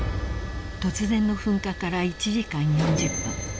［突然の噴火から１時間４０分］